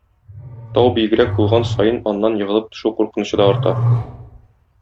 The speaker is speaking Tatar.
Тау биегрәк булган саен аннан егылып төшү куркынычы да арта.